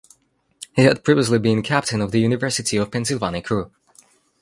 He had previously been captain of the University of Pennsylvania crew.